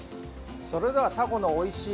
それではタコのおいしい